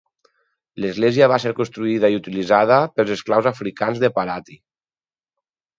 L'església va ser construïda i utilitzada pels esclaus africans de Paraty.